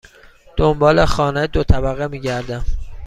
دنبال خانه دو طبقه می گردم.